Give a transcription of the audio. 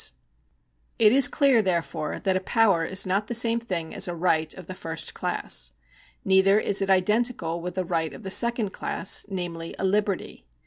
§76] LEGAL RIGHTS 19:i It is clear, therefore, that a power is not the same thing as a right of the first class. Neither is it identical with a right of the second class, namely, a liberty.